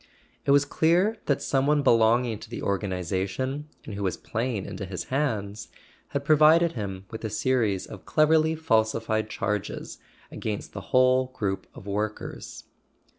It was clear that some one belonging to the organization, and who was playing into his hands, had provided him with a series [ 368 ] A SON AT THE FRONT of cleverly falsified charges against the whole group of workers.